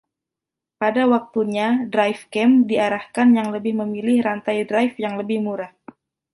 Pada waktunya, drive cam diarahkan yang lebih memilih rantai-drive yang lebih murah.